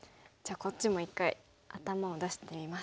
こっちも一回頭を出してみます。